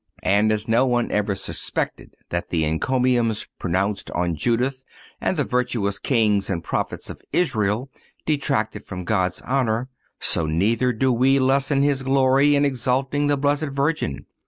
And as no one ever suspected that the encomiums pronounced on Judith and the virtuous Kings and Prophets of Israel detracted from God's honor, so neither do we lessen His glory in exalting the Blessed Virgin.